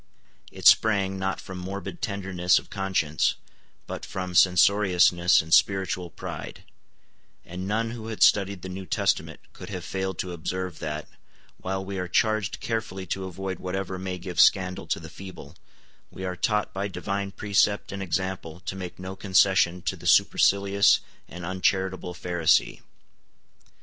It sprang, not from morbid tenderness of conscience, but from censoriousness and spiritual pride; and none who had studied the New Testament could have failed to observe that, while we are charged carefully to avoid whatever may give scandal to the feeble, we are taught by divine precept and example to make no concession to the supercilious and uncharitable Pharisee.